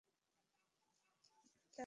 কী বেদনাবিধুর মুহূর্ত!